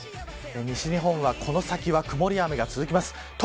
西日本はこのあとは曇り、雨が続きます。